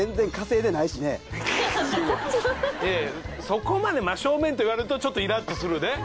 そこまで真正面と言われるとちょっとイラッとするで。